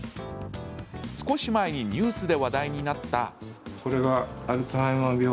少し前にニュースで話題になった。